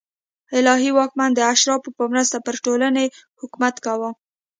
الهي واکمن د اشرافو په مرسته پر ټولنې حکومت کاوه